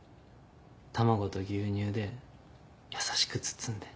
卵と牛乳で優しく包んで。